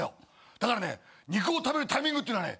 だからね肉を食べるタイミングっていうのはね